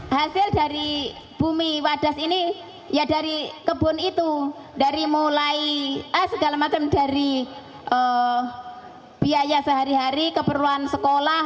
hasil dari bumi wadas ini ya dari kebun itu dari mulai segala macam dari biaya sehari hari keperluan sekolah